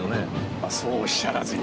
まあそうおっしゃらずに。